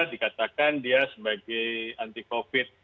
dikatakan dia sebagai anti covid